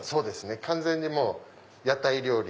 完全に屋台料理。